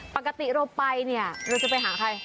ปกติเราไปเนี่ยเราจะไปหาใคร